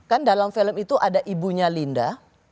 kan dalam film itu ada ibunya linda